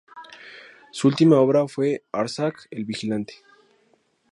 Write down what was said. Su última obra fue "Arzak el vigilante".